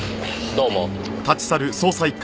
どうも。